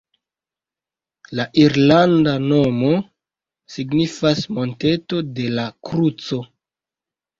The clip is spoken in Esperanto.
La irlanda nomo signifas “monteto de la kruco”.